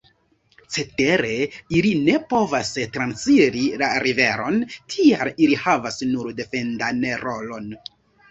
Cetere ili ne povas transiri la riveron; tial ili havas nur defendan rolon.